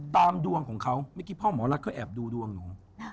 ตามดวงของเขาเมื่อกี้พ่อหมอรักเขาแอบดูดวงหนู